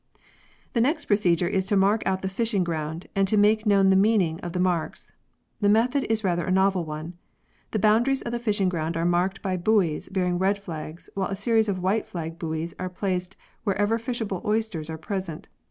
The next procedure is to mark out the fishing ground, and to make known the meaning of the marks. The method is rather a novel one. The boundaries of the fishing ground are marked by buoys bearing red flags, while a series of white flag buoys are placed wherever fishable oysters are present.